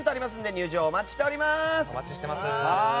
入場をお待ちしております。